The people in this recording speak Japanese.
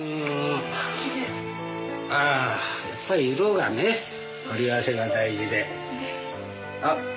あやっぱり色がね組み合わせが大事で。